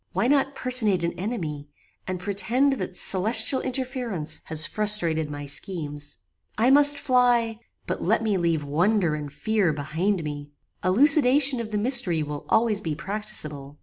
Why not personate an enemy, and pretend that celestial interference has frustrated my schemes? I must fly, but let me leave wonder and fear behind me. Elucidation of the mystery will always be practicable.